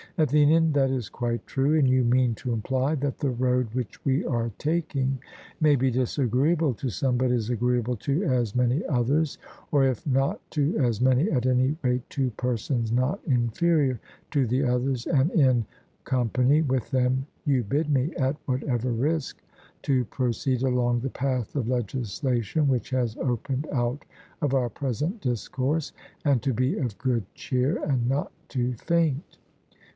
ATHENIAN: That is quite true; and you mean to imply that the road which we are taking may be disagreeable to some but is agreeable to as many others, or if not to as many, at any rate to persons not inferior to the others, and in company with them you bid me, at whatever risk, to proceed along the path of legislation which has opened out of our present discourse, and to be of good cheer, and not to faint.